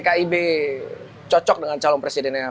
kib cocok dengan calon presidennya